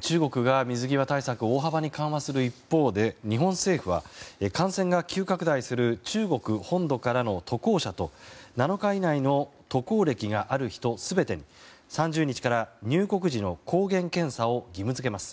中国が水際対策を大幅に緩和する一方で日本政府は感染が急拡大する中国本土からの渡航者と７日以内の渡航歴がある人全てに３０日から入国時の抗原検査を義務付けます。